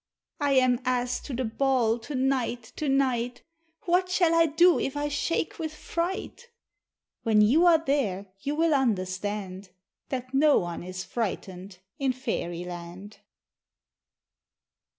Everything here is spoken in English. "I am asked to the ball to night, to night; What shall I do if I shake with fright?" "When you are there you will understand That no one is frightened in Fairyland."